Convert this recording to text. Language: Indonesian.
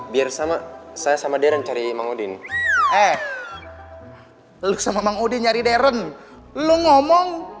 soorman jangan bikin jadi yang putih